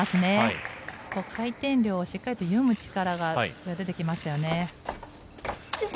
回転量をしっかりと読む力が出てきましたよね。